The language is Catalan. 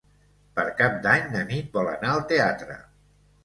Per Cap d'Any na Nit vol anar al teatre.